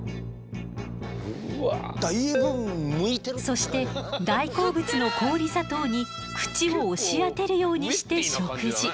そして大好物の氷砂糖に口を押し当てるようにして食事。